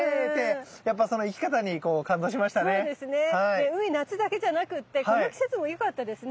で海夏だけじゃなくってこの季節も良かったですね。